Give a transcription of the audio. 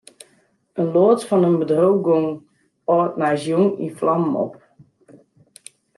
In loads fan it bedriuw gie âldjiersjûn yn flammen op.